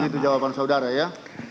oh begitu jawaban saudara ya